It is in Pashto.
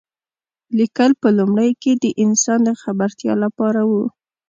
لیکل په لومړیو کې د انسان د خبرتیا لپاره و.